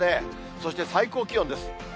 そして、最高気温です。